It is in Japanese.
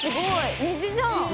虹じゃん！